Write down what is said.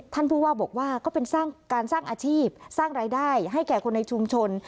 ท่านผู้ว่าบอกว่าก็เป็นการสร้างอาชีพสร้างรายได้ให้แก่คนในชุมชน